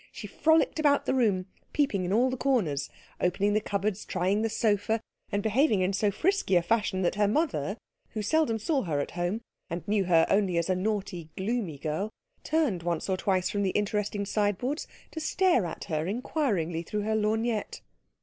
She frolicked about the room, peeping into all the corners, opening the cupboards, trying the sofa, and behaving in so frisky a fashion that her mother, who seldom saw her at home, and knew her only as a naughty gloomy girl, turned once or twice from the interesting sideboards to stare at her inquiringly through her lorgnette.